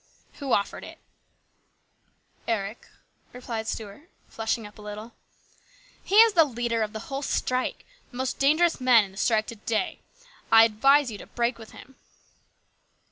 " Who offered it ?"" Eric," replied Stuart, flushing up a little. " He is the leader of the whole strike ; the most THE GREAT STRIKE. 27 dangerous man in the strike to day. I advise you to break with him."